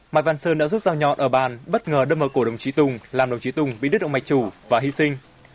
mai văn sơn đã rút dao nhọn ở bàn bất ngờ đâm vào cổ đồng chí tùng làm đồng chí tùng bị đứt động mạch chủ và hy sinh